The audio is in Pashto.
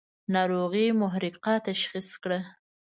ناروغي محرقه تشخیص کړه.